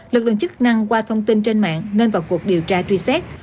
lực lượng chức năng qua thông tin trên mạng nên vào cuộc điều tra truy xét